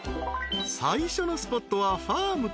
［最初のスポットは］